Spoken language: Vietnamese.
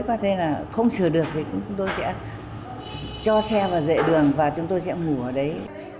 có thể là không sửa được thì chúng tôi sẽ cho xe vào dậy đường và chúng tôi sẽ ngủ ở đấy